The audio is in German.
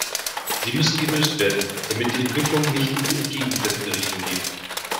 Sie müssen gelöst werden, damit die Entwicklung nicht in die entgegengesetzte Richtung geht.